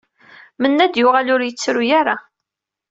Mennad yuɣal ur yettru ara.